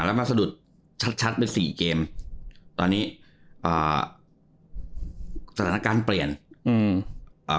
แล้วมาสะดุดชัดชัดเป็นสี่เกมตอนนี้อ่าสถานการณ์เปลี่ยนอืมอ่า